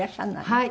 はい。